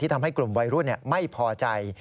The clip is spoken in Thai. ทำให้กลุ่มวัยรุ่นไม่พอใจ